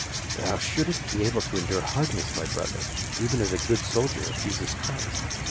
Thou shouldst be able to endure hardness, my brother, even as a good soldier of Jesus Christ.